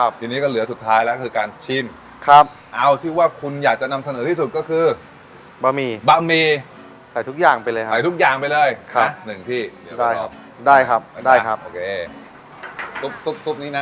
บะหมี่เสียทุกอย่างไปเลยครับนี่หนึ่งพี่ได้ครับ